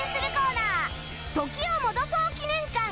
「時を戻そう」記念館